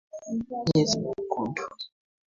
Jezi nyekundu.